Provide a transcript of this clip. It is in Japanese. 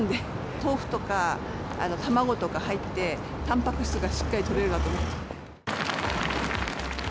豆腐とか卵とか入って、たんぱく質がしっかりとれるなと思って。